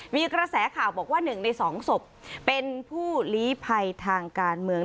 มีกระแสข่าวบอกว่า๑ใน๒ศพเป็นผู้ลีภัยทางการเมือง